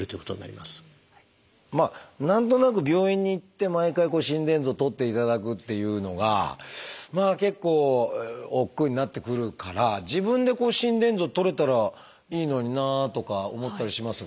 まあ何となく病院に行って毎回心電図をとっていただくっていうのが結構億劫になってくるから自分で心電図をとれたらいいのになあとか思ったりしますが。